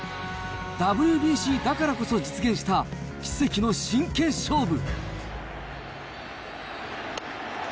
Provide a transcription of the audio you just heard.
ＷＢＣだからこそ実現した奇跡の真剣勝負。